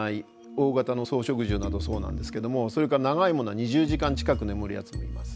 大型の草食獣などそうなんですけどもそれから長いものは２０時間近く眠るやつもいます。